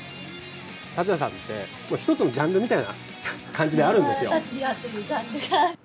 竜也さんって一つのジャンルみたいな感じがあるんですよ。